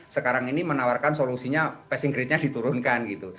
sekarang ini menawarkan solusinya passing grade nya diturunkan gitu